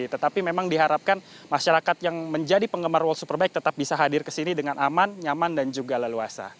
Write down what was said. tetapi memang diharapkan masyarakat yang menjadi penggemar world superbike tetap bisa hadir ke sini dengan aman nyaman dan juga leluasa